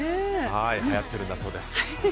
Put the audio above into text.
はやってるんだそうです。